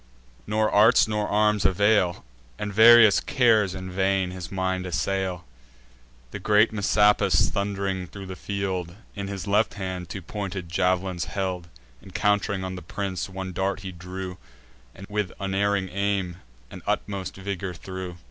Nor arts nor arms avail; And various cares in vain his mind assail. The great Messapus, thund'ring thro' the field, In his left hand two pointed jav'lins held: Encount'ring on the prince, one dart he drew, And with unerring aim and utmost vigour threw.